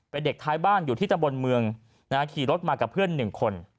เป็นเด็กท้ายบ้านอยู่ที่ตำบลเมืองขี่รถมากับเพื่อน๑คน